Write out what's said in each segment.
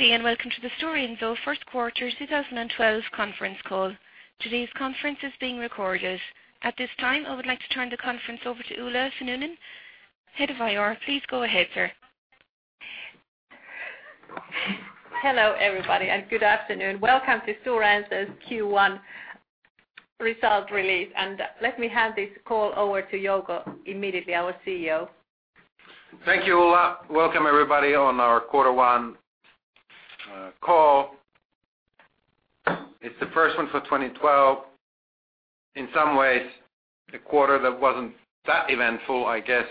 Good day, welcome to the Stora Enso First Quarter 2012 conference call. Today's conference is being recorded. At this time, I would like to turn the conference over to Ulla Paajanen, Head of IR. Please go ahead, sir. Hello, everybody, good afternoon. Welcome to Stora Enso's Q1 result release. Let me hand this call over to Jouko immediately, our CEO. Thank you, Ulla. Welcome everybody on our quarter one call. It's the first one for 2012. In some ways, the quarter that wasn't that eventful, I guess.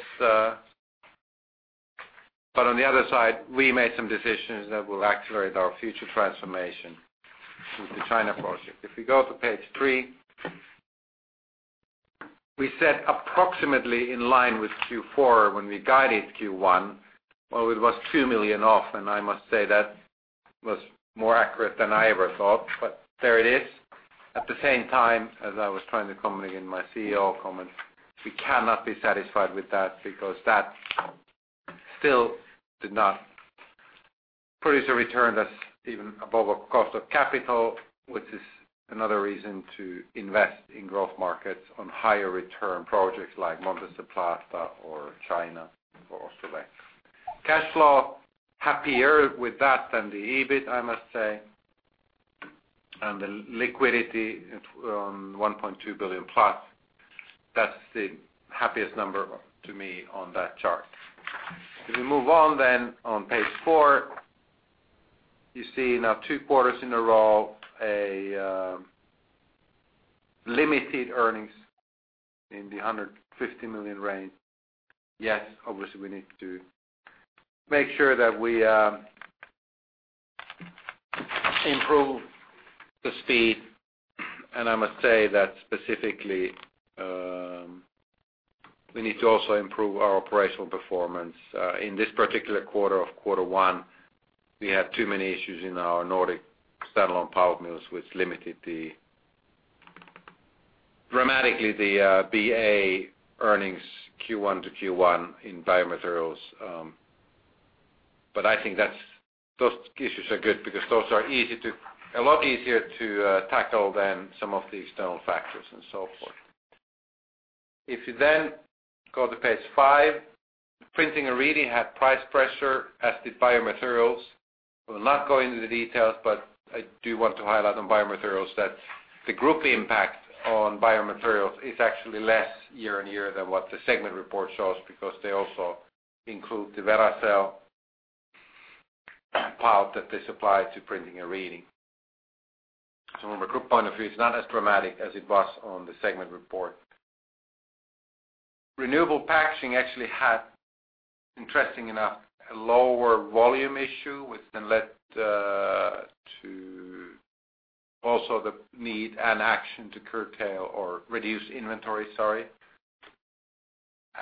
On the other side, we made some decisions that will accelerate our future transformation with the China project. If we go to page three, we said approximately in line with Q4 when we guided Q1. Well, it was 2 million off, I must say that was more accurate than I ever thought, there it is. At the same time, as I was trying to communicate in my CEO comments, we cannot be satisfied with that because that still did not produce a return that's even above our cost of capital, which is another reason to invest in growth markets on higher return projects like Montes del Plata or China or elsewhere. Cash flow, happier with that than the EBIT, I must say. The liquidity on 1.2 billion plus, that's the happiest number to me on that chart. If we move on then on page four, you see now two quarters in a row, a limited earnings in the 150 million range. Yes, obviously, we need to make sure that we improve the speed, I must say that specifically, we need to also improve our operational performance. In this particular quarter of quarter one, we had too many issues in our Nordic standalone power mills, which limited dramatically the BA earnings Q1 to Q1 in biomaterials. I think those issues are good because those are a lot easier to tackle than some of the external factors and so forth. If you then go to page five, printing and reading had price pressure, as did biomaterials. We'll not go into the details. I do want to highlight on biomaterials that the group impact on biomaterials is actually less year-on-year than what the segment report shows because they also include the Veracel part that they supply to Printing and Reading. From a group point of view, it's not as dramatic as it was on the segment report. Renewable Packaging actually had, interestingly enough, a lower volume issue, which then led to also the need and action to curtail or reduce inventory, sorry.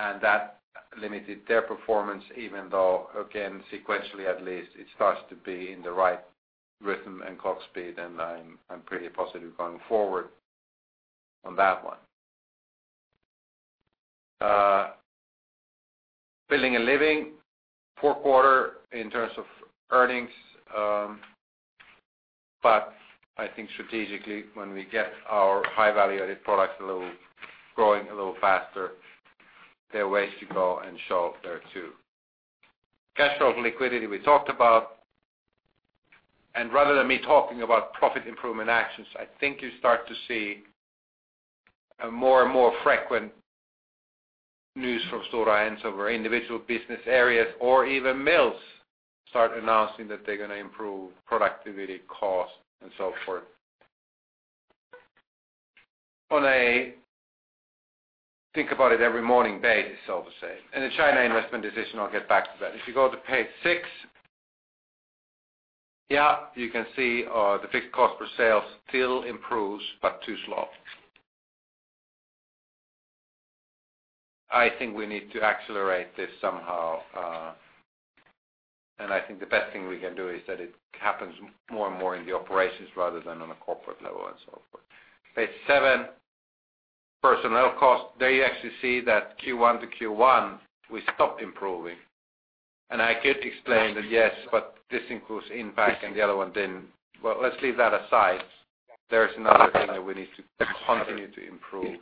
That limited their performance, even though, again, sequentially at least, it starts to be in the right rhythm and clock speed, and I'm pretty positive going forward on that one. Building and Living, poor quarter in terms of earnings. I think strategically, when we get our high-value added products growing a little faster, there are ways to go and show there, too. Cash flow liquidity we talked about. Rather than me talking about profit improvement actions, I think you start to see a more and more frequent news from Stora Enso where individual Business Areas or even mills start announcing that they're going to improve productivity costs and so forth. On a think about it every morning basis, so to say. The China investment decision, I'll get back to that. If you go to page six. You can see the fixed cost per sales still improves, but too slow. I think we need to accelerate this somehow. I think the best thing we can do is that it happens more and more in the operations rather than on a corporate level and so forth. Page seven, personnel costs. There you actually see that Q1 to Q1, we stopped improving. I could explain that, yes, but this includes impact and the other one didn't. Well, let's leave that aside. There's another thing that we need to continue to improve in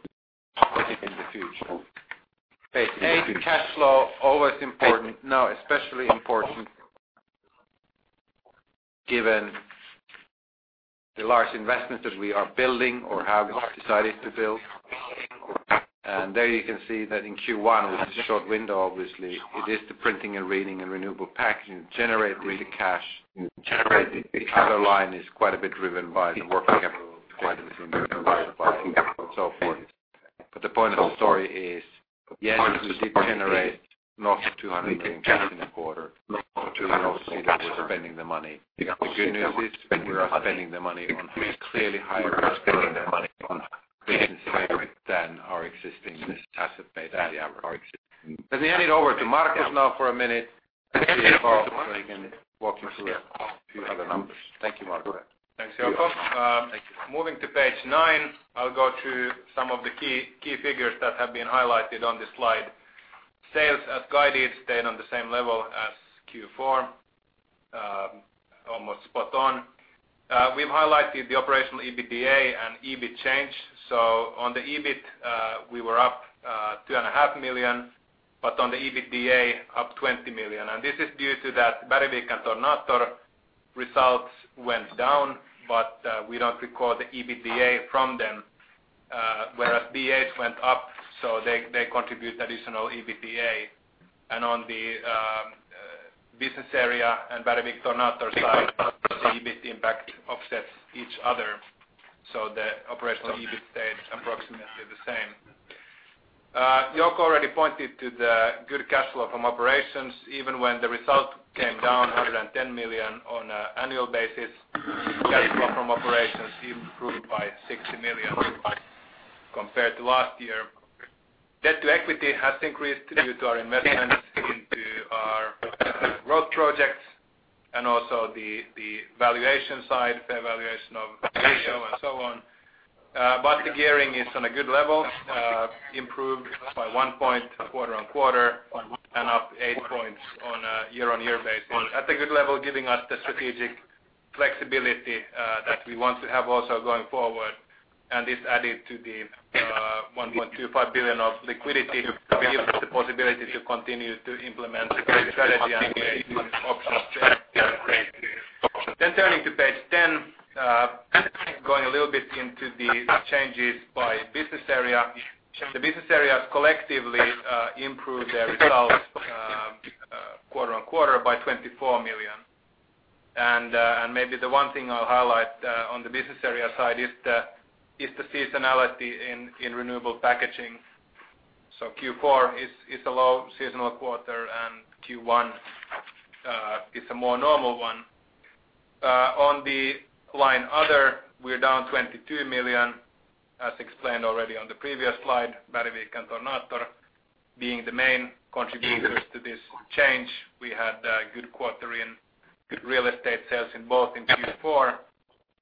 the future. Page eight, cash flow, always important. Now, especially important given the large investments that we are building or have decided to build. There you can see that in Q1, which is a short window, obviously, it is the Printing and Reading and Renewable Packaging that generate the cash. The other line is quite a bit driven by the working capital, quite a bit driven by purchasing and so forth. The point of the story is, yes, we did generate north of 200 million cash in the quarter, but you can also see that we're spending the money. The good news is we are spending the money on clearly higher return businesses than our existing asset-based average. Let me hand it over to Markus now for a minute, our CFO, so he can walk you through a few other numbers. Thank you, Markus. Thanks, Jouko. Thank you. Moving to page nine, I'll go through some of the key figures that have been highlighted on this slide. Sales as guided stayed on the same level as Q4, almost spot on. We've highlighted the operational EBITDA and EBIT change. On the EBIT, we were up two and a half million, but on the EBITDA up 20 million. This is due to that Bergvik and Tornator results went down, but we don't record the EBITDA from them. Whereas BH went up, so they contribute additional EBITDA. On the business area and Bergvik Tornator side, the EBIT impact offsets each other. The operational EBIT stayed approximately the same. Jokke already pointed to the good cash flow from operations, even when the result came down 110 million on a annual basis. Cash flow from operations improved by 60 million compared to last year. Debt to equity has increased due to our investments into our growth projects and also the valuation side, fair valuation of ratio and so on. The gearing is on a good level, improved by one point quarter-on-quarter and up eight points on a year-on-year basis. At a good level giving us the strategic flexibility that we want to have also going forward. This added to the 1.25 billion of liquidity gives us the possibility to continue to implement the growth strategy and the options trade if we create. Turning to page 10, going a little bit into the changes by business area. The business areas collectively improved their results quarter-on-quarter by 24 million. Maybe the one thing I'll highlight on the business area side is the seasonality in renewable packaging. Q4 is a low seasonal quarter and Q1 is a more normal one. On the line other, we are down 22 million. As explained already on the previous slide, Bergvik and Tornator being the main contributors to this change. We had a good quarter in real estate sales in both in Q4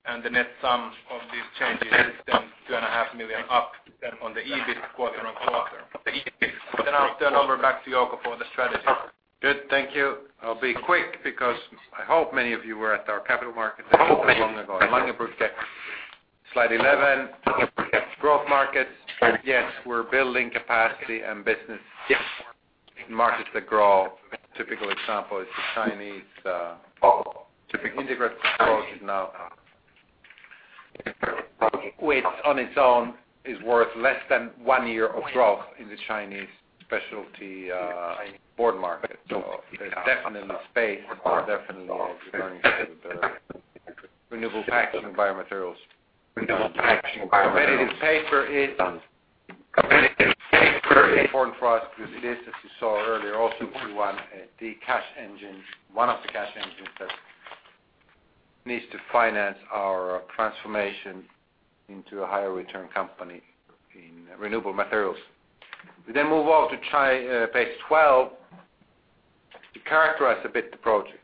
and the net sum of these changes is then two and a half million up then on the EBIT quarter-on-quarter. I'll turn over back to Jouko for the strategy. Good. Thank you. I'll be quick because I hope many of you were at our capital market not too long ago in Langerbrugge. Slide 11. Growth markets. Yes, we are building capacity and business in markets that grow. Typical example is the Chinese integrated approach is now which on its own is worth less than one year of growth in the Chinese specialty board market. There's definitely space and definitely earnings with the renewable packaging biomaterials. Competitive paper is very important for us because it is, as you saw earlier also in Q1, the cash engine, one of the cash engines that needs to finance our transformation into a higher return company in renewable materials. We move on to page 12 to characterize a bit the project.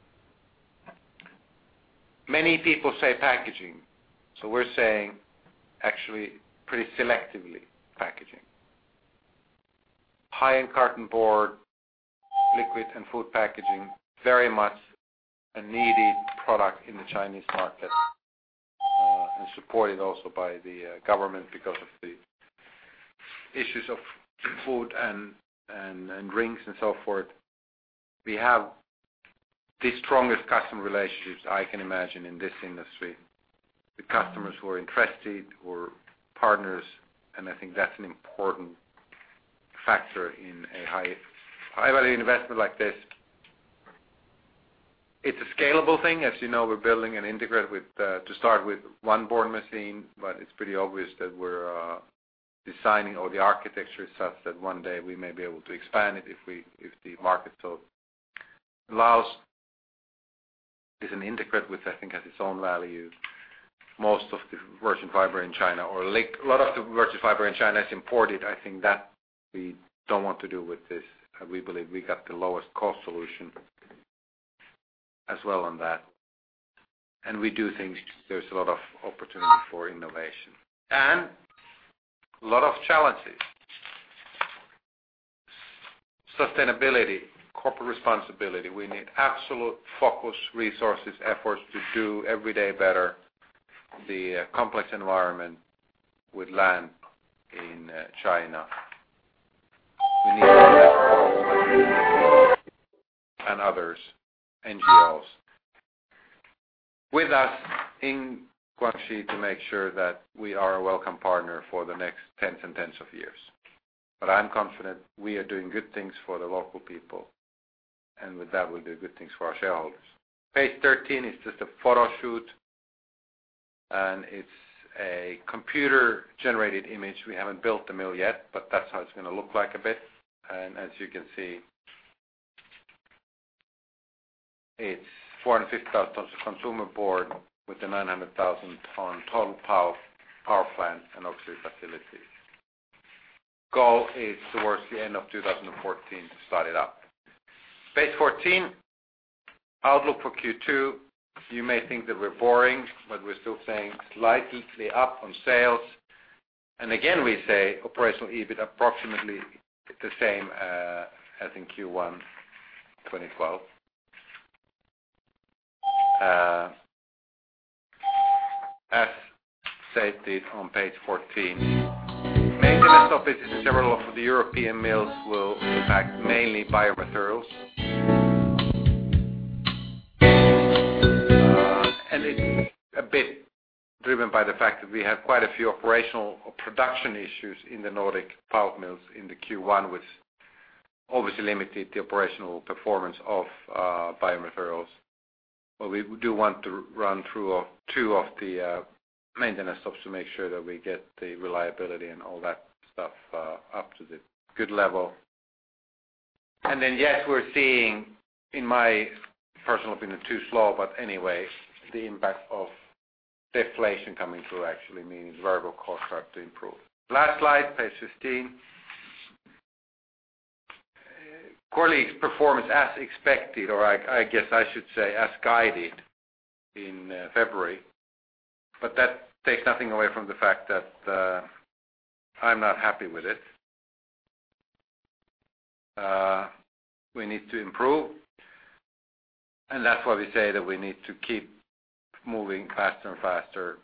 Many people say packaging, we are saying actually pretty selectively packaging. High-end carton board, liquid and food packaging, very much a needed product in the Chinese market, and supported also by the government because of the issues of food and drinks and so forth. We have the strongest customer relationships I can imagine in this industry. The customers who are interested, who are partners, and I think that is an important factor in a high-value investment like this. It is a scalable thing. As you know, we are building an integrate to start with one board machine, but it is pretty obvious that we are designing all the architecture such that one day we may be able to expand it if the market allows. It is an integrate which I think has its own value. Most of the virgin fiber in China or a lot of the virgin fiber in China is imported. I think that we do not want to do with this. We believe we got the lowest cost solution as well on that. We do think there's a lot of opportunity for innovation and a lot of challenges. Sustainability, corporate responsibility. We need absolute focus, resources, efforts to do every day better. The complex environment with land in China. We need to have government, municipalities and others, NGOs with us in Guangxi to make sure that we are a welcome partner for the next tens and tens of years. I am confident we are doing good things for the local people, and with that, we will do good things for our shareholders. Page 13 is just a photoshoot, and it is a computer-generated image. We have not built the mill yet, but that is how it is going to look like a bit. As you can see, it is 450,000 tons of consumer board with a 900,000 ton total power plant and auxiliary facilities. Goal is towards the end of 2014 to start it up. Page 14 Outlook for Q2. You may think that we're boring, we're still saying slightly up on sales. Again, we say operational EBIT approximately the same as in Q1 2012. As stated on page 14. Maintenance stop is several of the European mills will impact mainly biomaterials. It's a bit driven by the fact that we have quite a few operational production issues in the Nordic pulp mills in the Q1, which obviously limited the operational performance of biomaterials. We do want to run through two of the maintenance stops to make sure that we get the reliability and all that stuff up to the good level. Yes, we're seeing, in my personal opinion, too slow, but anyway, the impact of deflation coming through actually means variable cost start to improve. Last slide, page 15. Colex performance as expected, or I guess I should say as guided in February. That takes nothing away from the fact that I'm not happy with it. We need to improve, and that's why we say that we need to keep moving faster and faster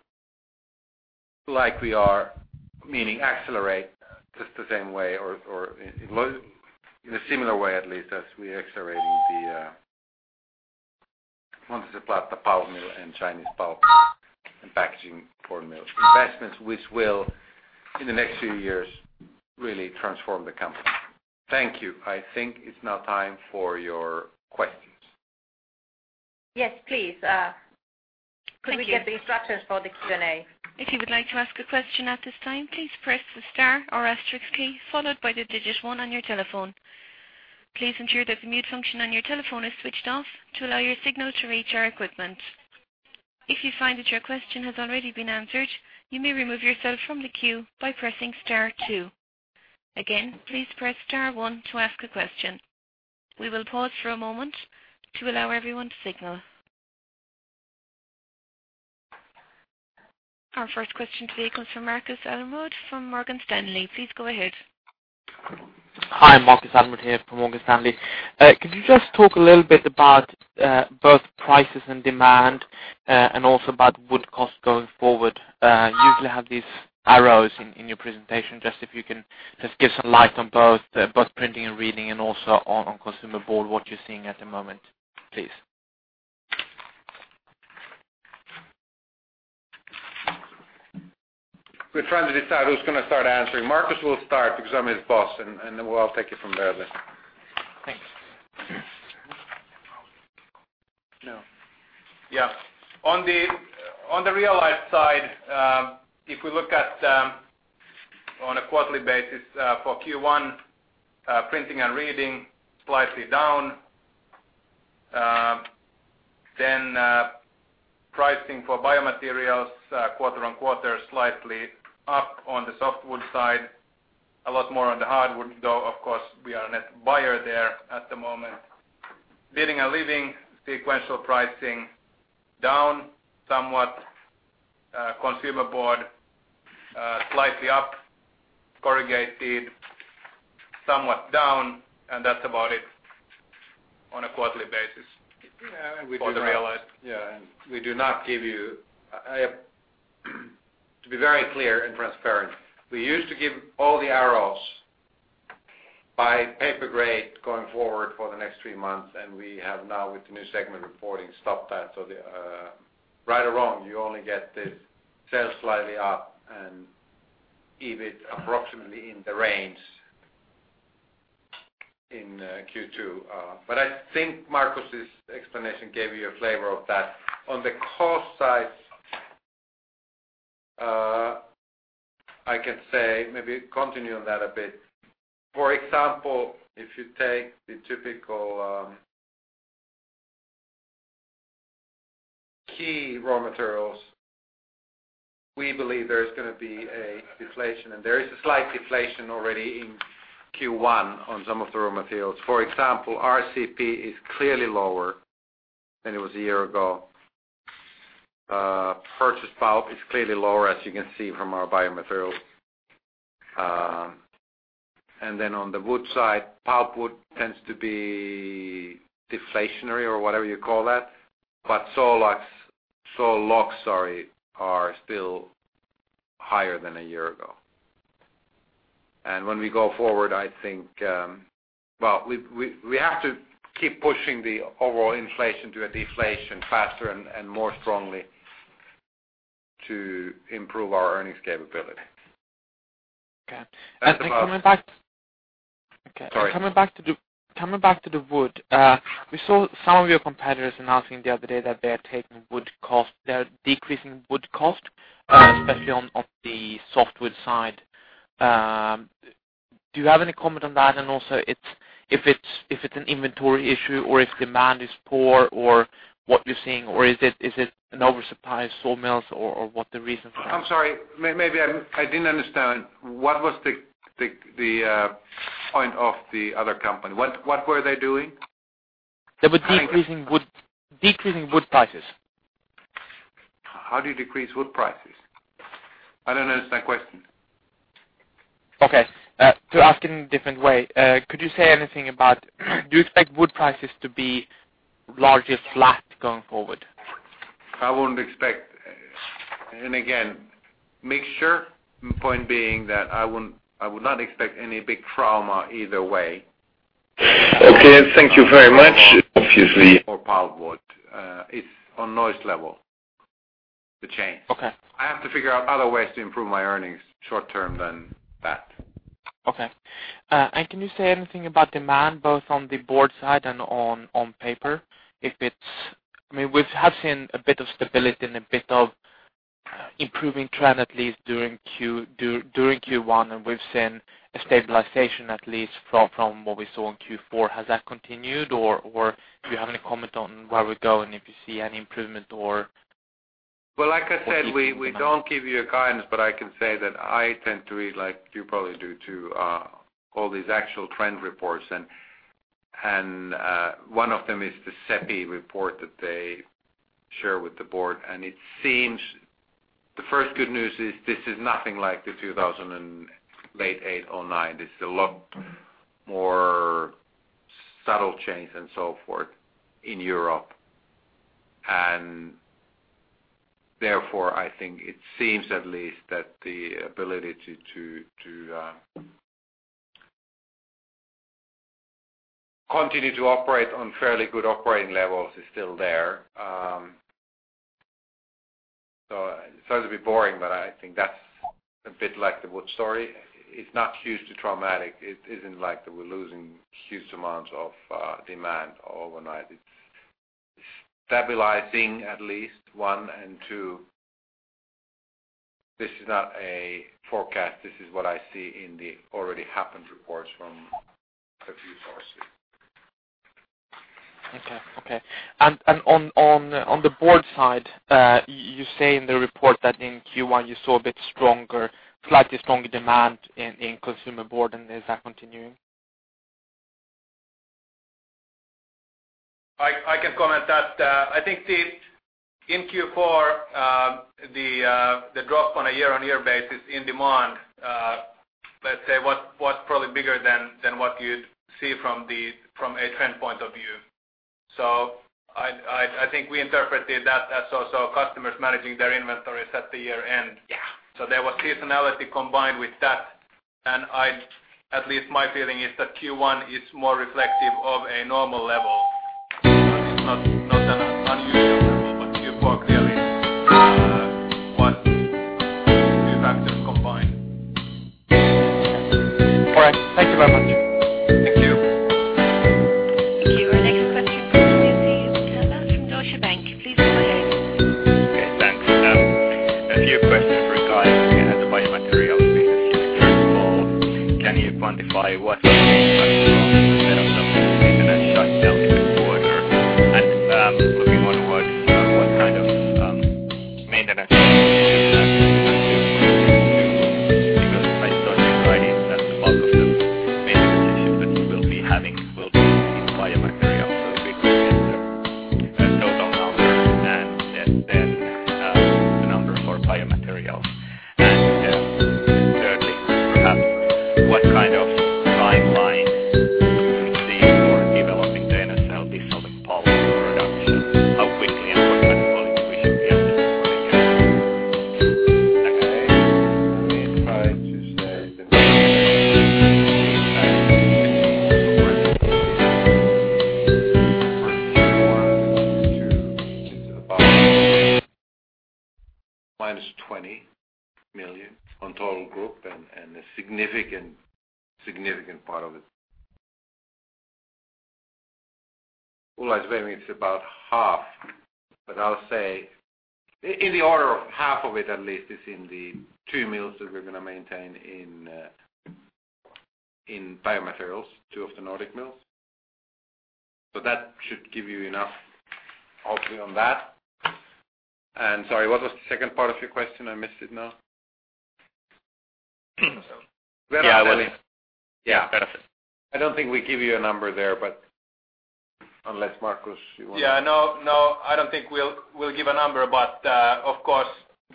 like we are. Meaning accelerate just the same way or in a similar way at least as we're accelerating the Montes del Plata pulp mill and Chinese pulp and packaging board mills. Investments which will, in the next few years, really transform the company. Thank you. I think it's now time for your questions. Yes, please. Thank you. Could we get the instructions for the Q&A? If you would like to ask a question at this time, please press the star or asterisk key followed by the digit one on your telephone. Please ensure that the mute function on your telephone is switched off to allow your signal to reach our equipment. If you find that your question has already been answered, you may remove yourself from the queue by pressing star two. Again, please press star one to ask a question. We will pause for a moment to allow everyone to signal. Our first question today comes from Markus Almerud from Morgan Stanley. Please go ahead. Hi, Markus Almerud here from Morgan Stanley. Could you just talk a little bit about both prices and demand and also about wood cost going forward? You usually have these arrows in your presentation, just if you can just give some light on both Printing and Reading and also on Consumer Board, what you're seeing at the moment, please. We're trying to decide who's going to start answering. Markus will start because I'm his boss, and I'll take it from there then. Thanks. Yeah. On the realized side, if we look at on a quarterly basis for Q1, Printing and Reading, slightly down. Pricing for Biomaterials quarter on quarter, slightly up on the softwood side, a lot more on the hardwood, though, of course, we are a net buyer there at the moment. Building and Living, sequential pricing down somewhat. Consumer Board, slightly up. Corrugated, somewhat down. That's about it on a quarterly basis. Yeah. For the real life. Yeah. We do not give you To be very clear and transparent, we used to give all the arrows by paper grade going forward for the next three months, and we have now, with the new segment reporting, stopped that. So right or wrong, you only get the sales slightly up and EBIT approximately in the range in Q2. I think Markus' explanation gave you a flavor of that. On the cost side, I can say, maybe continue on that a bit. For example, if you take the typical key raw materials, we believe there is going to be a deflation. There is a slight deflation already in Q1 on some of the raw materials. For example, RCP is clearly lower than it was a year ago. Purchased pulp is clearly lower, as you can see from our biomaterials. On the wood side, pulpwood tends to be deflationary or whatever you call that. Saw logs are still higher than a year ago. When we go forward, I think, well, we have to keep pushing the overall inflation to a deflation faster and more strongly to improve our earnings capability. Okay. Sorry. Coming back to the wood, we saw some of your competitors announcing the other day that they are taking wood cost, they're decreasing wood cost, especially on the softwood side. Do you have any comment on that? If it's an inventory issue or if demand is poor or what you're seeing, or is it an oversupply of sawmills, or what the reason for that? I'm sorry, maybe I didn't understand. What was the point of the other company? What were they doing? They were decreasing wood prices. How do you decrease wood prices? I don't understand the question. Okay. To ask in a different way, could you say anything about, do you expect wood prices to be largely flat going forward? I wouldn't expect. Again, mixture. Point being that I would not expect any big trauma either way. Okay. Thank you very much. Obviously- Pulpwood. It's on noise level, the change. Okay. I have to figure out other ways to improve my earnings short term than that. Okay. Can you say anything about demand both on the board side and on paper? We have seen a bit of stability and a bit of improving trend, at least during Q1, and we've seen a stabilization, at least from what we saw in Q4. Has that continued, or do you have any comment on where we're going if you see any improvement or- Well, like I said, we don't give you guidance, but I can say that I tend to read, like you probably do too, all these actual trend reports. One of them is the CEPI report that they share with the board. It seems the first good news is this is nothing like the 2008 or 2009. It's a lot more subtle change and so forth in Europe. Therefore, I think it seems at least that the ability to continue to operate on fairly good operating levels is still there. It's going to be boring, but I think that's a bit like the wood story. It's not huge to traumatic. It isn't like we're losing huge amounts of demand overnight. It's stabilizing at least, one. Two, this is not a forecast. This is what I see in the already happened reports from a few sources. Okay. On the board side, you say in the report that in Q1, you saw a bit stronger, slightly stronger demand in consumer board, and is that continuing? I can comment that I think in Q4, the drop on a year-on-year basis in demand, let's say, was probably bigger than what you'd see from a trend point of view. I think we interpreted that as also customers managing their inventories at the year-end. Yeah. There was seasonality combined with that, and at least my feeling is that Q1 is more reflective of a normal level and it's not an unusual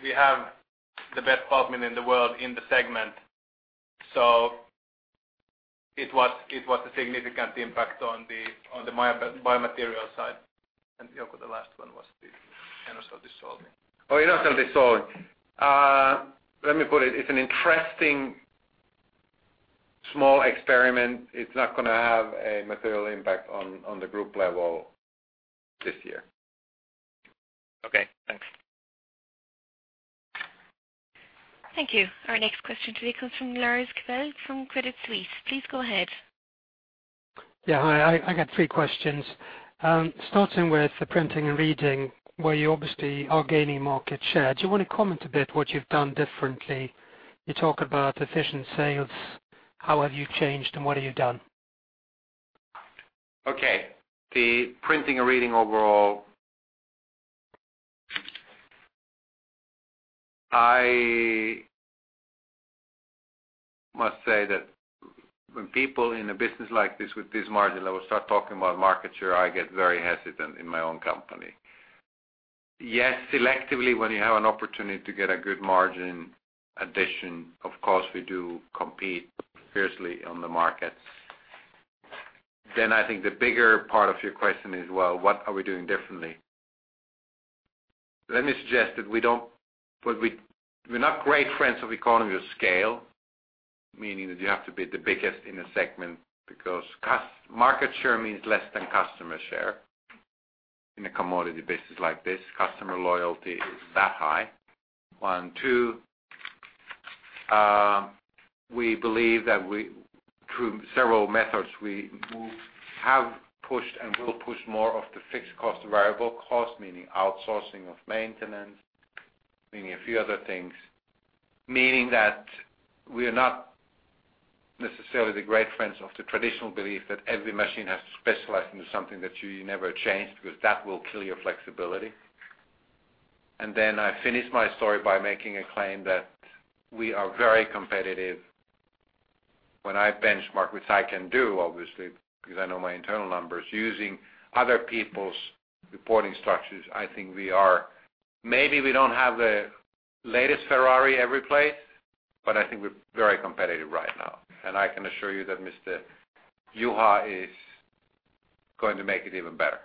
we have the best pulp mill in the world in the segment. It was a significant impact on the biomaterial side. Jouko, the last one was the Enocell dissolving. Enocell dissolve. Let me put it is an interesting small experiment. It is not going to have a material impact on the group level this year. Okay, thanks. Thank you. Our next question today comes from Lars Kjellberg from Credit Suisse. Please go ahead. Yeah. Hi. I got three questions. Starting with the Printing and Reading, where you obviously are gaining market share. Do you want to comment a bit what you've done differently? You talk about efficient sales. How have you changed and what have you done? Okay. The Printing and Reading overall. I must say that when people in a business like this with this margin level start talking about market share, I get very hesitant in my own company. Yes, selectively, when you have an opportunity to get a good margin addition, of course, we do compete fiercely on the market. I think the bigger part of your question is, well, what are we doing differently? Let me suggest that we're not great friends of economy of scale, meaning that you have to be the biggest in the segment because market share means less than customer share in a commodity business like this. Customer loyalty is that high. One, two, we believe that through several methods, we have pushed and will push more of the fixed cost, variable cost, meaning outsourcing of maintenance, meaning a few other things. Meaning that we are not necessarily the great friends of the traditional belief that every machine has to specialize into something that you never change, because that will kill your flexibility. I finish my story by making a claim that we are very competitive. When I benchmark, which I can do obviously because I know my internal numbers, using other people's reporting structures, I think we are. Maybe we don't have the latest Ferrari every place, but I think we're very competitive right now, and I can assure you that Mr. Juha is going to make it even better.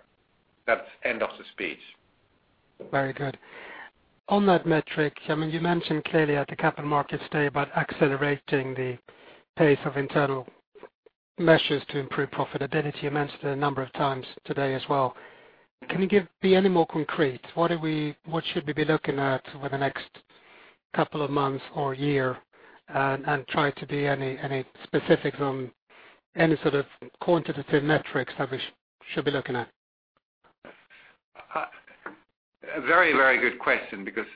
That's end of the speech. Very good. On that metric, you mentioned clearly at the capital markets today about accelerating the pace of internal measures to improve profitability. You mentioned it a number of times today as well. Can you be any more concrete? What should we be looking at over the next couple of months or year and try to be any specifics on any sort of quantitative metrics that we should be looking at? A very good question, because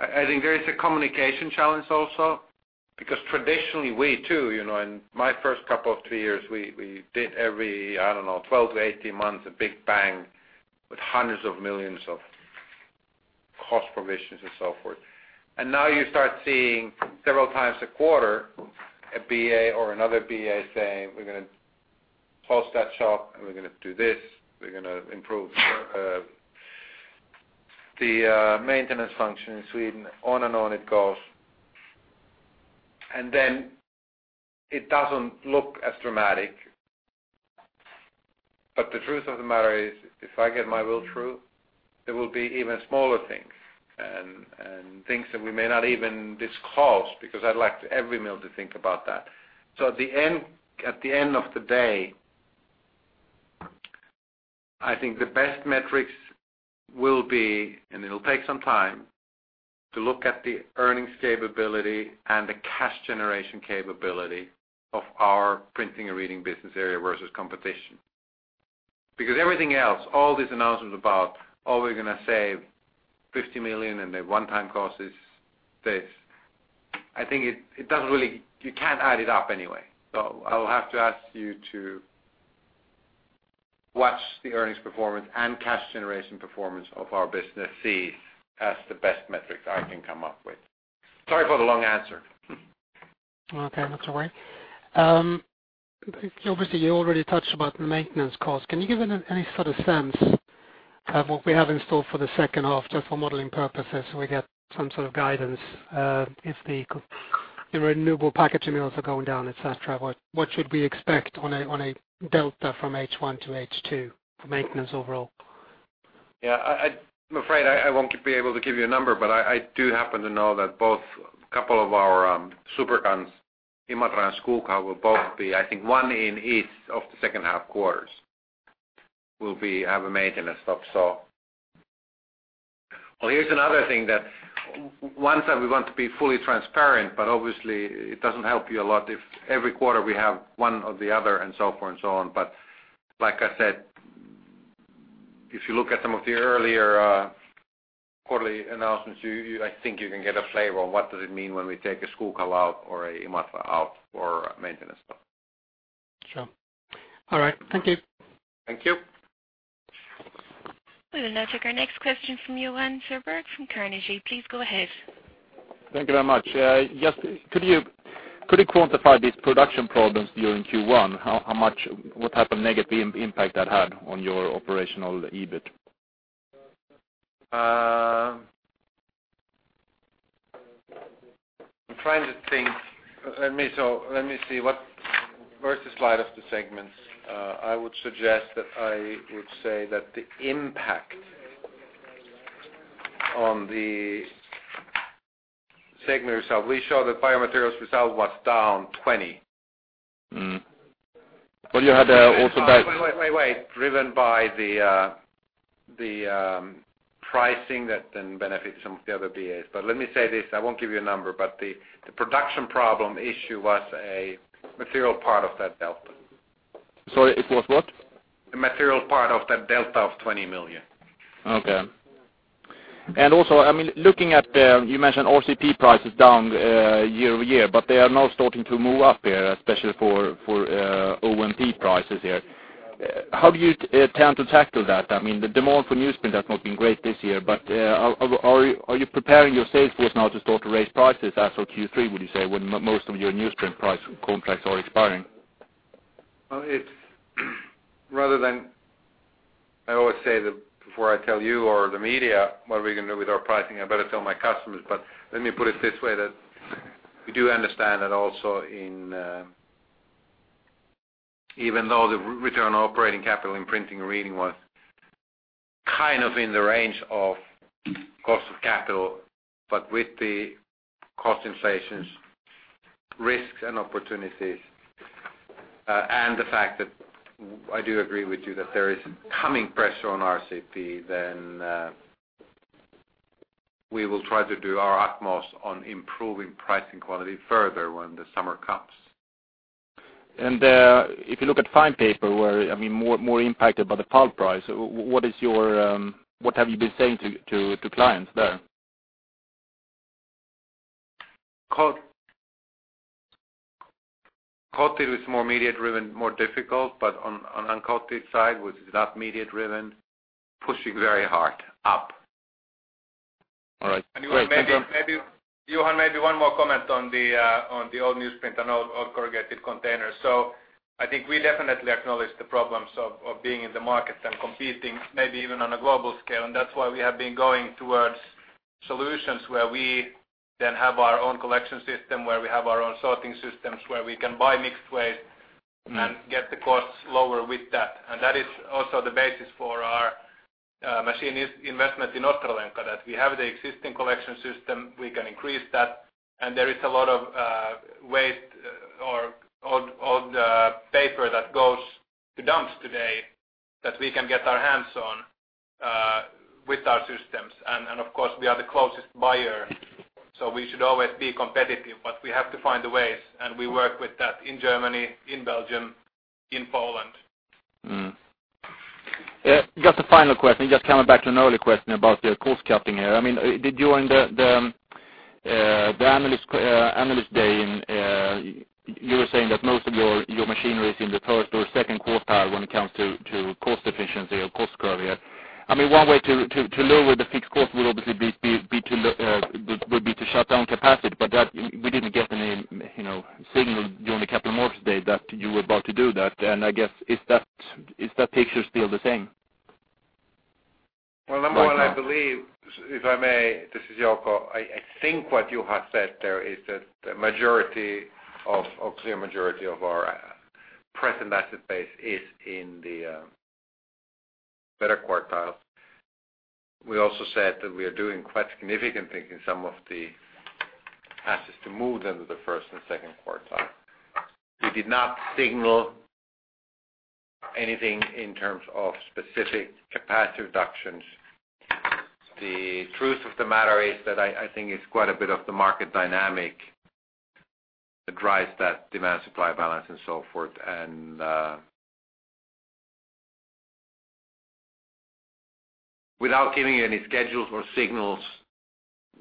I think there is a communication challenge also, because traditionally we too, in my first couple of three years, we did every, I don't know, 12-18 months, a big bang with hundreds of millions of cost provisions and so forth. Now you start seeing several times a quarter, a BA or another BA saying, "We're going to close that shop, and we're going to do this. We're going to improve the maintenance function in Sweden." On and on it goes. It doesn't look as dramatic. The truth of the matter is, if I get my will through, there will be even smaller things and things that we may not even disclose, because I'd like every mill to think about that. At the end of the day, I think the best metrics will be, and it'll take some time, to look at the earnings capability and the cash generation capability of our Printing and Reading Business Area versus competition. Everything else, all these announcements about, oh, we're going to save 50 million, and the one-time cost is this. I think you can't add it up anyway. I will have to ask you to watch the earnings performance and cash generation performance of our business C, has the best metric I can come up with. Sorry for the long answer. Okay, not to worry. Obviously, you already touched about maintenance costs. Can you give any sort of sense of what we have in store for the second half, just for modeling purposes, so we get some sort of guidance? If the renewable packaging mills are going down, et cetera, what should we expect on a delta from H1 to H2 for maintenance overall? Yeah. I'm afraid I won't be able to give you a number, but I do happen to know that both couple of our super guns, Imatra and Skoghall, will both be, I think one in each of the second half quarters, will have a maintenance stop. Here's another thing, that once that we want to be fully transparent, obviously it doesn't help you a lot if every quarter we have one or the other and so forth and so on. Like I said, if you look at some of the earlier quarterly announcements, I think you can get a flavor on what does it mean when we take a Skoghall out or a Imatra out for a maintenance stop. Sure. All right. Thank you. Thank you. We will now take our next question from Johan Sjöberg from Carnegie. Please go ahead. Thank you very much. Just could you quantify these production problems during Q1? What type of negative impact that had on your operational EBIT? I'm trying to think. Let me see. Where's the slide of the segments? I would suggest that I would say that the impact on the segment itself, we show that biomaterials result was down 20. You had also that- Wait. Driven by the pricing that then benefits some of the other BAs. Let me say this, I won't give you a number, but the production problem issue was a material part of that delta. Sorry, it was what? A material part of that delta of 20 million. Okay. Also, looking at, you mentioned RCP prices down year-over-year, but they are now starting to move up here, especially for OMP prices here. How do you intend to tackle that? The demand for newsprint has not been great this year, but are you preparing your sales force now to start to raise prices as of Q3, would you say, when most of your newsprint price contracts are expiring? I always say that before I tell you or the media what we're going to do with our pricing, I better tell my customers. Let me put it this way, that we do understand that also even though the return on operating capital in printing and reading was kind of in the range of cost of capital, with the cost inflations, risks and opportunities, and the fact that I do agree with you that there is coming pressure on RCP, we will try to do our utmost on improving pricing quality further when the summer comes. If you look at fine paper, more impacted by the pulp price, what have you been saying to clients there? Coated is more immediate driven, more difficult, on uncoated side, which is not immediate driven, pushing very hard up. All right. Great. Thank you. Maybe one more comment on the old newsprint and old corrugated containers. I think we definitely acknowledge the problems of being in the market and competing, maybe even on a global scale. That's why we have been going towards solutions where we then have our own collection system, where we have our own sorting systems, where we can buy mixed waste and get the costs lower with that. That is also the basis for our machine investment that we have the existing collection system, we can increase that. There is a lot of waste or old paper that goes to dumps today that we can get our hands on with our systems. Of course, we are the closest buyer, so we should always be competitive. We have to find the ways, and we work with that in Germany, in Belgium, in Poland. Just a final question, just coming back to an earlier question about your cost cutting here. During the Analyst Day, you were saying that most of your machinery is in the first or second quartile when it comes to cost efficiency or cost curve here. One way to lower the fixed cost will obviously be to shut down capacity. We didn't get any signal during the Capital Markets Day that you were about to do that. I guess, is that picture still the same? Well, number one, I believe, if I may, this is Jouko. I think what you have said there is that a clear majority of our present asset base is in the better quartiles. We also said that we are doing quite significant things in some of the assets to move them to the first and second quartile. We did not signal anything in terms of specific capacity reductions. The truth of the matter is that I think it's quite a bit of the market dynamic that drives that demand-supply balance and so forth. Without giving you any schedules or signals,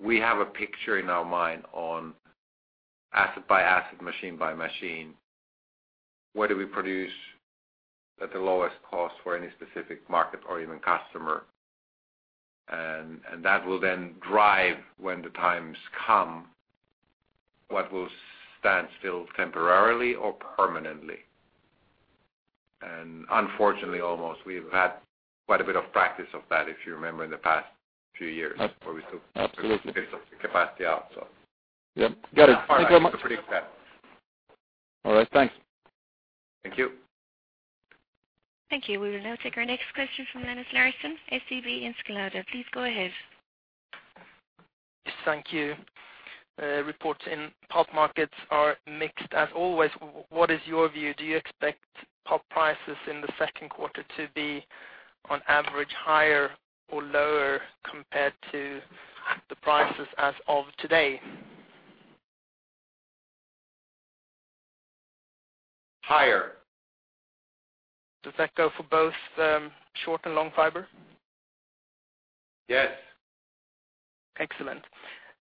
we have a picture in our mind on asset by asset, machine by machine, where do we produce at the lowest cost for any specific market or even customer. That will then drive when the times come, what will stand still temporarily or permanently. Unfortunately, almost we've had quite a bit of practice of that, if you remember in the past few years where we took. Absolutely bits of the capacity out. Yep. Got it. Thank you very much to predict that. All right. Thanks. Thank you. Thank you. We will now take our next question from Dennis Larson, SEB Enskilda. Please go ahead. Yes, thank you. Reports in pulp markets are mixed as always. What is your view? Do you expect pulp prices in the second quarter to be on average higher or lower compared to the prices as of today? Higher. Does that go for both short and long fiber? Yes. Excellent.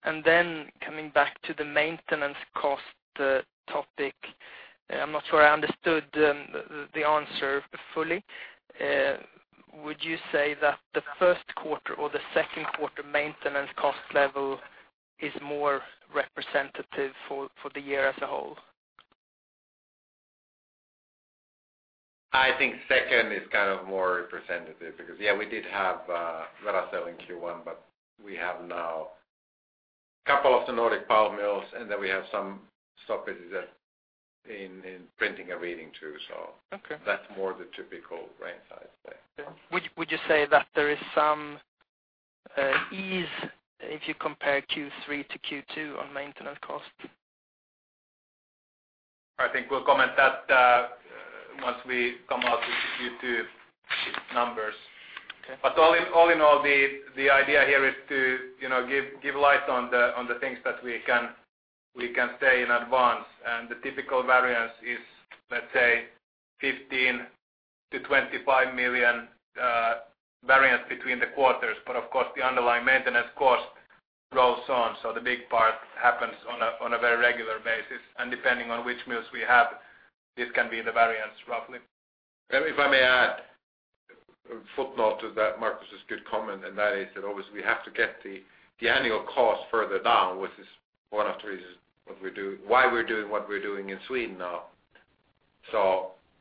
Coming back to the maintenance cost topic, I'm not sure I understood the answer fully. Would you say that the first quarter or the second quarter maintenance cost level is more representative for the year as a whole? I think second is more representative because yeah, we did have Veracel in Q1, but we have now couple of the Nordic pulp mills, and then we have some stoppages in Printing and Reading too. Okay. That's more the typical range I'd say. Would you say that there is some ease if you compare Q3 to Q2 on maintenance cost? I think we'll comment that once we come out with Q2 numbers. Okay. All in all, the idea here is to give light on the things that we can say in advance. The typical variance is, let's say, 15 million-25 million variance between the quarters. Of course, the underlying maintenance cost rolls on, so the big part happens on a very regular basis. Depending on which mills we have, this can be the variance roughly. If I may add a footnote to that, Markus' good comment, that is that obviously we have to get the annual cost further down, which is one of the reasons why we're doing what we're doing in Sweden now.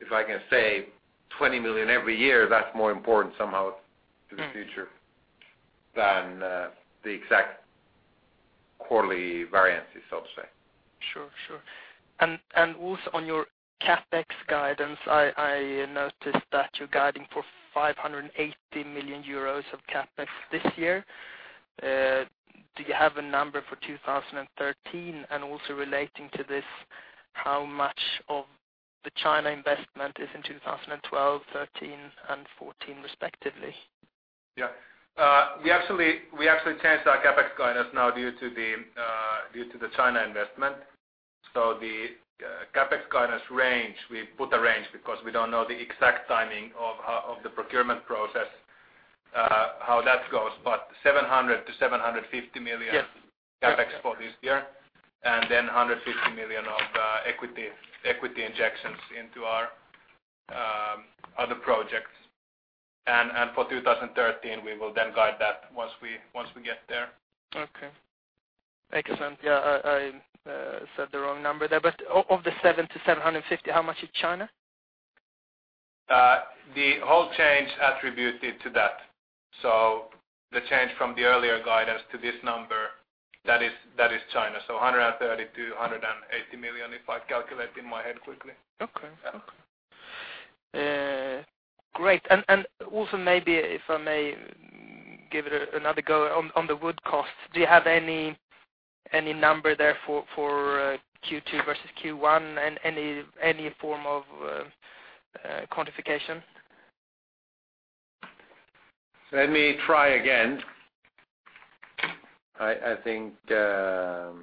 If I can save 20 million every year, that's more important somehow to the future than the exact quarterly variances, so to say. Sure. Also on your CapEx guidance, I noticed that you're guiding for 580 million euros of CapEx this year. Do you have a number for 2013? Also relating to this, how much of the China investment is in 2012, 2013, and 2014 respectively? Yeah. We actually changed our CapEx guidance now due to the China investment. The CapEx guidance range, we put a range because we don't know the exact timing of the procurement process, how that goes. 700 million to 750 million- Yes CapEx for this year, 150 million of equity injections into our other projects. For 2013, we will guide that once we get there. Okay. Excellent. Yeah, I said the wrong number there. Of the 700 million to 750 million, how much is China? The whole change attributed to that. The change from the earlier guidance to this number, that is China. 130 million-180 million, if I calculate in my head quickly. Okay. Yeah. Great. Also maybe if I may give it another go on the wood cost, do you have any number there for Q2 versus Q1 and any form of quantification? Let me try again. I think Q2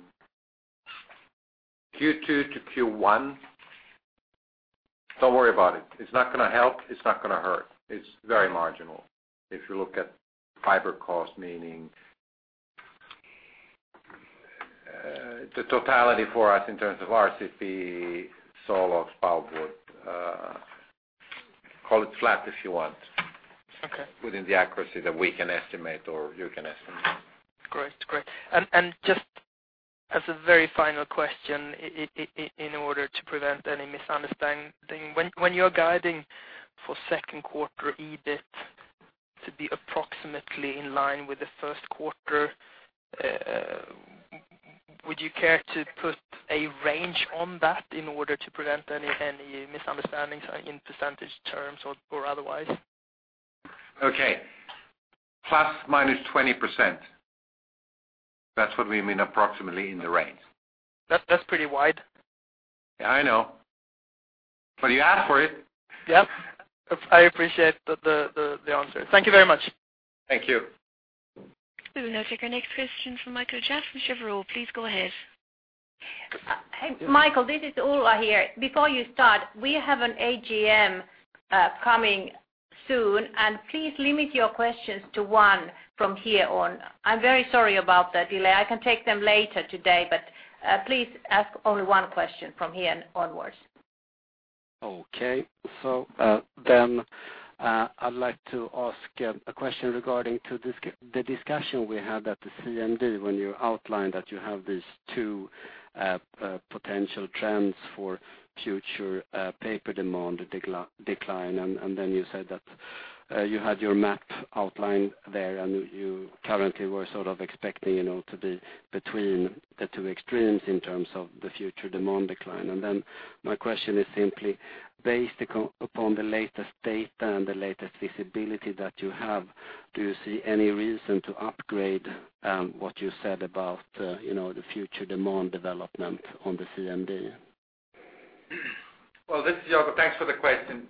to Q1, don't worry about it. It's not going to help. It's not going to hurt. It's very marginal. If you look at fiber cost, meaning the totality for us in terms of RCP, saw logs, pulpwood. Call it flat if you want. Okay. Within the accuracy that we can estimate or you can estimate. Just as a very final question in order to prevent any misunderstanding. When you are guiding for second quarter EBIT to be approximately in line with the first quarter, would you care to put a range on that in order to prevent any misunderstandings in percentage terms or otherwise? Okay. ±20%. That's what we mean approximately in the range. That's pretty wide. Yeah, I know. You asked for it. Yep. I appreciate the answer. Thank you very much. Thank you. We will now take our next question from Mikael Jåfs from Cheuvreux. Please go ahead. Hey, Mikael, this is Ulla here. Before you start, we have an AGM coming soon, please limit your questions to one from here on. I'm very sorry about that delay. I can take them later today, but please ask only one question from here onwards. Okay. I'd like to ask a question regarding to the discussion we had at the CMD when you outlined that you have these two potential trends for future paper demand decline, you said that you had your map outlined there, and you currently were sort of expecting to be between the two extremes in terms of the future demand decline. My question is simply, based upon the latest data and the latest visibility that you have, do you see any reason to upgrade what you said about the future demand development on the CMD? Well, this is Jokke. Thanks for the question.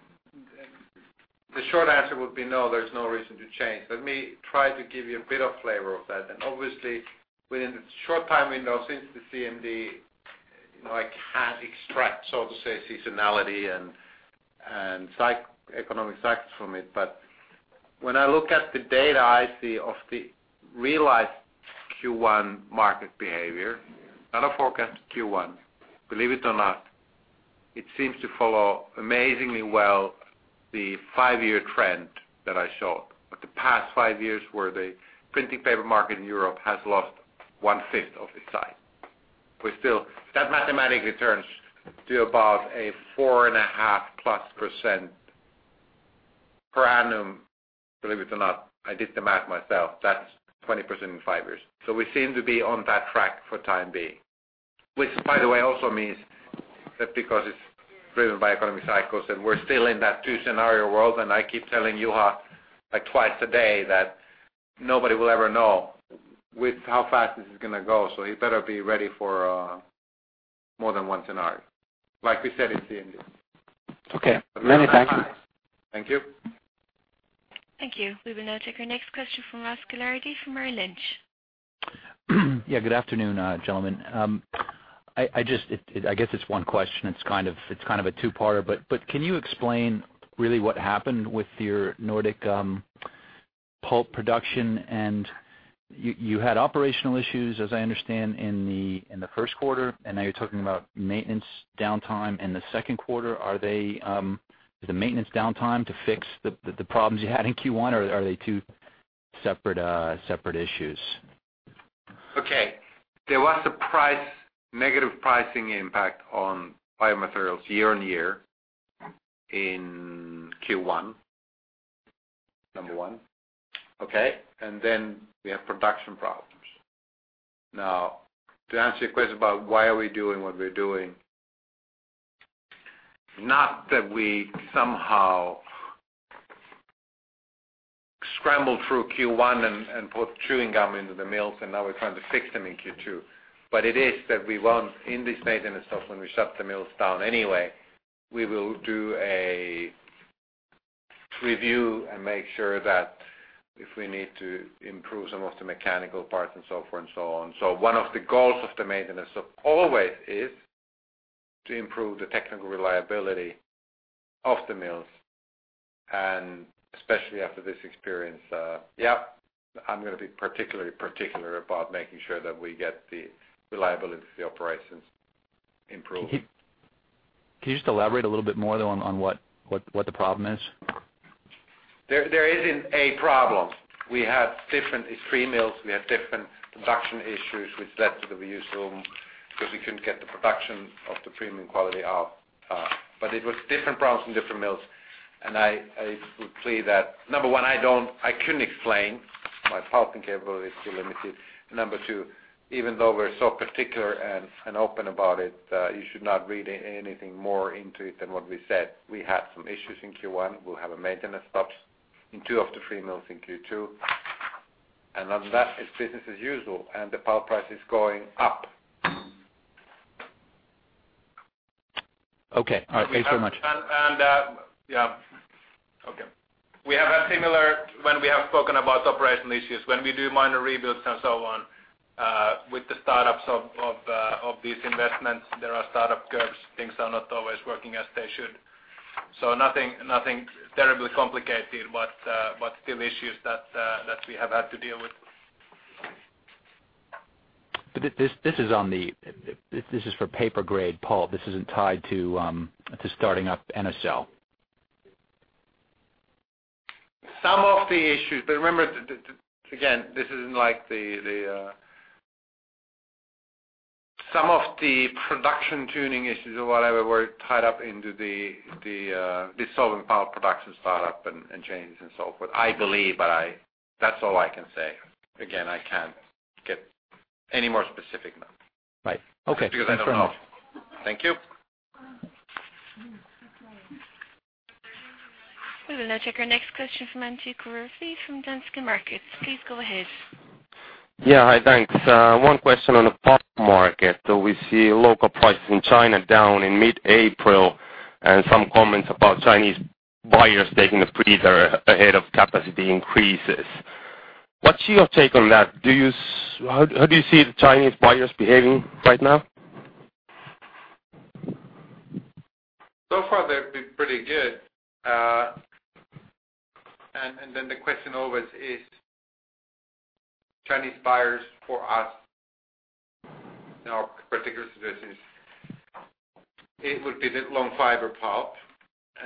The short answer would be no, there's no reason to change. Let me try to give you a bit of flavor of that. Obviously, within the short time window since the CMD, I can't extract, so to say, seasonality and economic cycles from it. When I look at the data I see of the realized Q1 market behavior, not a forecast Q1, believe it or not, it seems to follow amazingly well the five-year trend that I showed. For the past five years where the printing paper market in Europe has lost one fifth of its size. That mathematically turns to about a four and a half plus % per annum. Believe it or not, I did the math myself. That's 20% in five years. We seem to be on that track for the time being. Which by the way also means that because it's driven by economic cycles and we're still in that two-scenario world, and I keep telling Juha twice a day that nobody will ever know with how fast this is going to go. He better be ready for more than one scenario, like we said in CMD. Okay. Many thanks. Thank you. Thank you. We will now take our next question from Rasmus Engberg from Merrill Lynch. Yeah. Good afternoon, gentlemen. I guess it's one question. It's kind of a two-parter, can you explain really what happened with your Nordic pulp production? You had operational issues, as I understand, in the first quarter, and now you're talking about maintenance downtime in the second quarter. Is the maintenance downtime to fix the problems you had in Q1, or are they two separate issues? Okay. There was a negative pricing impact on biomaterials year-on-year in Q1. Number one. Okay. We have production problems. Now, to answer your question about why are we doing what we're doing, not that we somehow scrambled through Q1 and put chewing gum into the mills, and now we're trying to fix them in Q2, it is that we want in this maintenance stop, when we shut the mills down anyway, we will do a review and make sure that if we need to improve some of the mechanical parts and so forth and so on. One of the goals of the maintenance always is to improve the technical reliability of the mills, and especially after this experience, yeah, I'm going to be particularly particular about making sure that we get the reliability of the operations improved. Can you just elaborate a little bit more, though, on what the problem is? There isn't a problem. It's three mills. We had different production issues which led to the reuse of them because we couldn't get the production of the premium quality out. It was different problems in different mills, and I would say that, number one, I couldn't explain. My pulping capability is too limited. Number two, even though we're so particular and open about it, you should not read anything more into it than what we said. We had some issues in Q1. We'll have maintenance stops in two of the three mills in Q2. Other than that, it's business as usual, and the pulp price is going up. Okay. All right. Thanks very much. We will now take our next question from Antti Koskivuori from Danske Markets. Please go ahead. Yeah. Hi. Thanks. One question on the pulp market. We see local prices in China down in mid-April and some comments about Chinese buyers taking a breather ahead of capacity increases. What's your take on that? How do you see the Chinese buyers behaving right now? Far they've been pretty good. Then the question always is Chinese buyers for us, in our particular situation, it would be the long fiber pulp.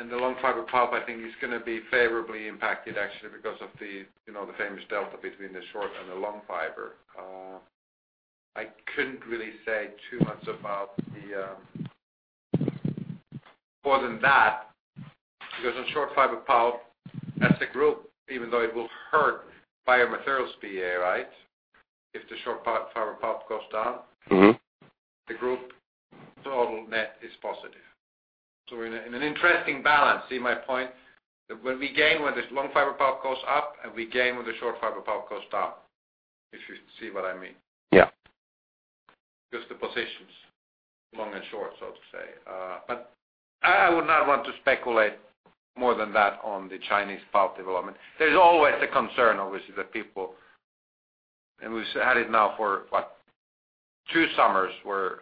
The long fiber pulp I think is going to be favorably impacted actually because of the famous delta between the short and the long fiber. I couldn't really say too much more than that, because on short fiber pulp as a group, even though it will hurt Biomaterials BA, right, if the short fiber pulp goes down. the group total net is positive. We're in an interesting balance. See my point? That we gain when this long fiber pulp goes up, and we gain when the short fiber pulp goes down. If you see what I mean. Yeah. The position's long and short, so to say. I would not want to speculate more than that on the Chinese pulp development. There's always the concern, obviously, that people, and we've had it now for what, two summers, where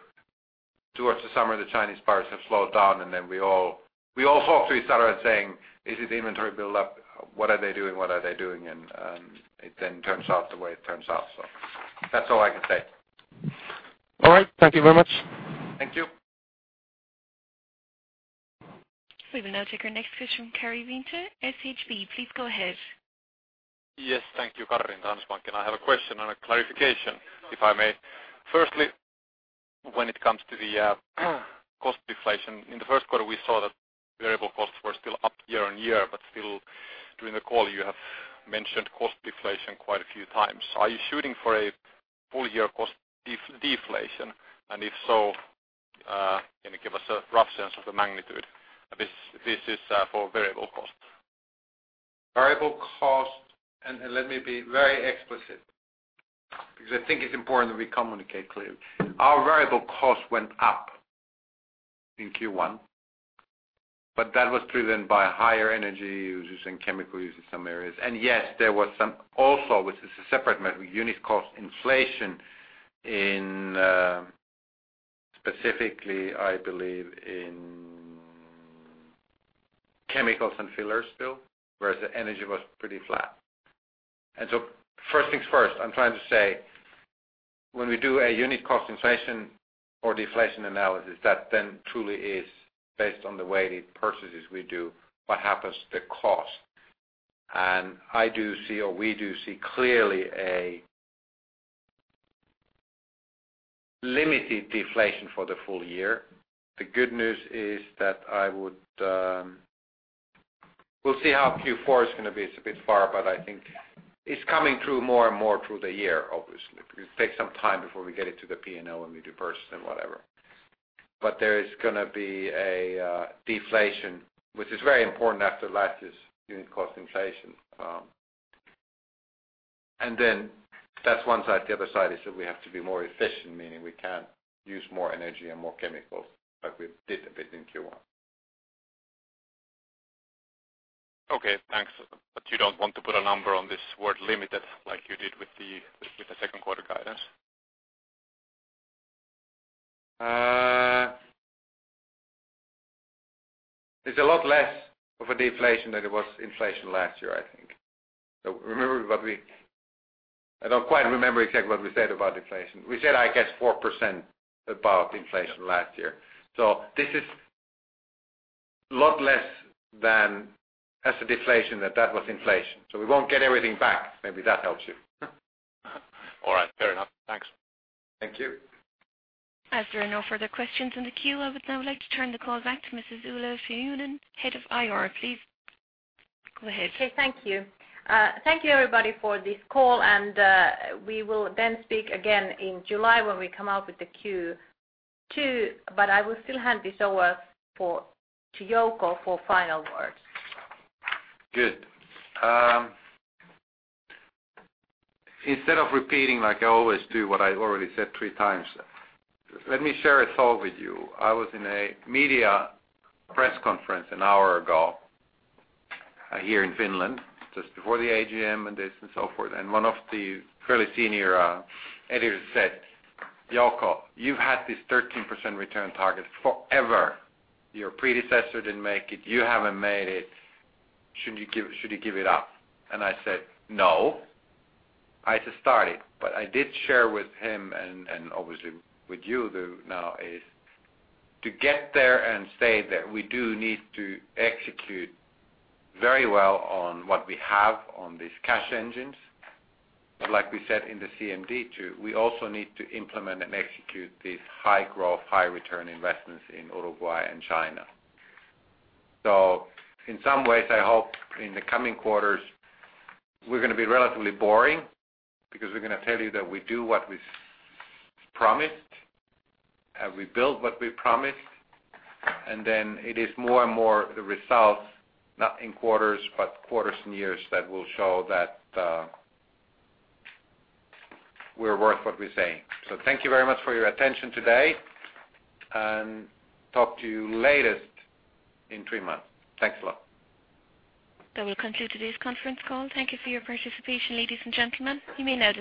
towards the summer the Chinese buyers have slowed down, and then we all talk to each other and saying, "Is it inventory build-up? What are they doing? What are they doing?" It then turns out the way it turns out. That's all I can say. All right. Thank you very much. Thank you. We will now take our next question from Harri Taittonen, SHB. Please go ahead. Yes. Thank you, Harri, Danske Bank. I have a question and a clarification, if I may. Firstly, when it comes to the cost deflation, in the first quarter we saw that variable costs were still up year-on-year, still during the call you have mentioned cost deflation quite a few times. Are you shooting for a full year cost deflation? If so, can you give us a rough sense of the magnitude? This is for variable cost. Variable cost, let me be very explicit because I think it's important that we communicate clearly. Our variable cost went up in Q1. That was driven by higher energy users and chemical users in some areas. Yes, there was some also, which is a separate measure, unit cost inflation, specifically I believe in chemicals and fillers still, whereas the energy was pretty flat. First things first, I'm trying to say, when we do a unit cost inflation or deflation analysis, that truly is based on the weighted purchases we do, what happens to the cost. I do see, or we do see clearly a limited deflation for the full year. The good news is that we'll see how Q4 is going to be. It's a bit far, but I think it's coming through more and more through the year, obviously. It will take some time before we get it to the P&L when we reverse and whatever. There is going to be a deflation, which is very important after last year's unit cost inflation. That's one side. The other side is that we have to be more efficient, meaning we can't use more energy and more chemicals like we did a bit in Q1. Okay, thanks. You don't want to put a number on this word, limited, like you did with the second quarter guidance? It's a lot less of a deflation than it was inflation last year, I think. I don't quite remember exactly what we said about deflation. We said, I guess 4% above inflation last year. This is a lot less than as a deflation than that was inflation. We won't get everything back. Maybe that helps you. All right. Fair enough. Thanks. Thank you. As there are no further questions in the queue, I would now like to turn the call back to Mrs. Ulla Paajanen-Sainio, Head of IR. Please go ahead. Okay. Thank you. Thank you, everybody, for this call. We will then speak again in July when we come out with the Q2. I will still hand this over to Jouko for final words. Good. Instead of repeating like I always do what I already said three times, let me share a thought with you. I was in a media press conference an hour ago here in Finland, just before the AGM and this and so forth. One of the fairly senior editors said, "Jouko, you've had this 13% return target forever. Your predecessor didn't make it. You haven't made it. Should you give it up?" I said, "No." I just started. I did share with him, and obviously with you now, is to get there and stay there, we do need to execute very well on what we have on these cash engines. Like we said in the CMD2, we also need to implement and execute these high-growth, high-return investments in Uruguay and China. In some ways, I hope in the coming quarters, we're going to be relatively boring because we're going to tell you that we do what we promised. We built what we promised. Then it is more and more the results, not in quarters, but quarters and years that will show that we're worth what we're saying. Thank you very much for your attention today, and talk to you latest in three months. Thanks a lot. That will conclude today's conference call. Thank you for your participation, ladies and gentlemen. You may now disconnect.